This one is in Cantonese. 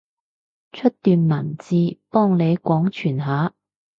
出段文字，幫你廣傳下？